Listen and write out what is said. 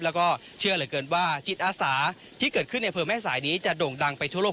แล้วก็เชื่อเหลือเกินว่าจิตอาสาที่เกิดขึ้นในอำเภอแม่สายนี้จะโด่งดังไปทั่วโลก